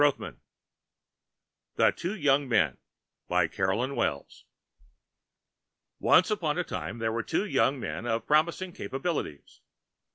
"[Pg 565] THE TWO YOUNG MEN BY CAROLYN WELLS Once on a Time there were Two Young Men of Promising Capabilities.